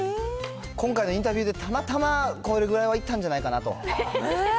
今回のインタビューで、たまたまこれぐらいはいったんじゃないかなと。